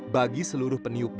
bagi seluruh peniup biaya